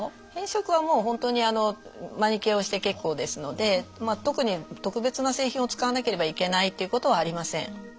変色はもう本当にあのマニキュアをして結構ですので特に特別な製品を使わなければいけないっていうことはありません。